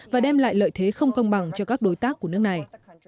và đem lại lợi thế không công bằng cho các đối tác của nước này